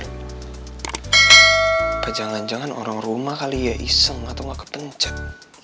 tapi jangan jangan orang rumah kali ya iseng atau nggak kepencet